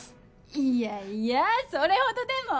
いやいやそれほどでも！